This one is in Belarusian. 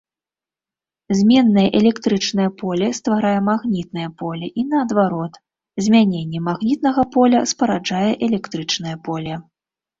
Зменнае электрычнае поле стварае магнітнае поле, і наадварот змяненне магнітнага поля спараджае электрычнае поле.